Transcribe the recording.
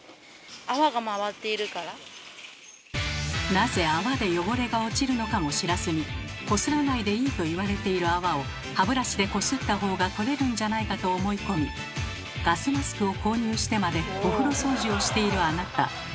なぜ泡で汚れが落ちるのかも知らずにこすらないでいいと言われている泡を歯ブラシでこすった方が取れるんじゃないかと思い込みガスマスクを購入してまでお風呂掃除をしているあなた。